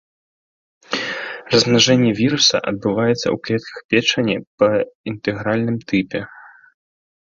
Размнажэнне віруса адбываецца ў клетках печані па інтэгральным тыпе.